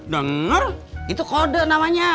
dengar itu kode namanya